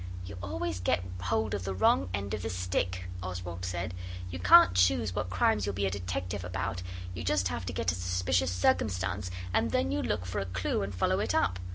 'You always get hold of the wrong end of the stick,' Oswald said. 'You can't choose what crimes you'll be a detective about. You just have to get a suspicious circumstance, and then you look for a clue and follow it up.